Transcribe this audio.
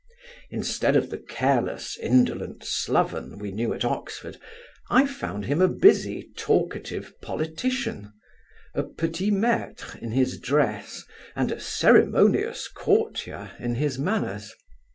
Instead of the careless, indolent sloven we knew at Oxford, I found him a busy talkative politician; a petit maitre in his dress, and a ceremonious courtier in his manners.